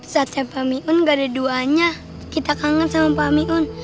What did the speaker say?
saat saya pak miun gak ada duanya kita kangen sama pak miun